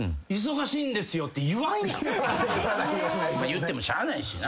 言ってもしゃあないしな。